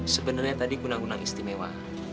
sebenarnya tadi kunang kunang istimewa